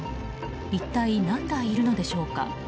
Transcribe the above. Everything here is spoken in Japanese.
一体、何台いるのでしょうか。